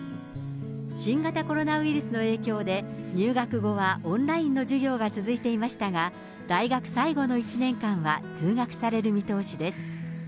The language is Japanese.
新型コロナウイルスの影響で、入学後はオンラインの授業が続いていましたが、大学最後の１年間は通学される見通しです。